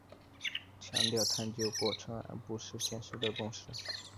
强调探究过程而不是现成的知识。